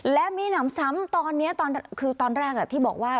และมีหนำซ้ำตอนนี้คือตอนแรกที่บอกว่า